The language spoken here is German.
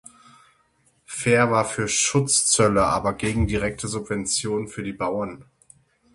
Fehr war für Schutzzölle, aber gegen direkte Subventionen für die Bauern.